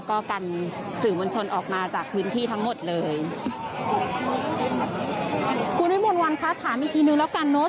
ก็กันสื่อมวลชนออกมาจากพื้นที่ทั้งหมดเลยคุณวิมวลวันคะถามอีกทีนึงแล้วกันเนอะ